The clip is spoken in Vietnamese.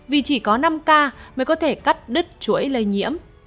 vì chỉ có năm ca mới có thể cắt đứt chuỗi lây nhiễm